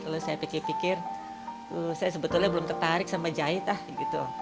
terus saya pikir pikir saya sebetulnya belum tertarik sama jahit lah gitu